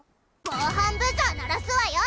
防犯ブザー鳴らすわよ！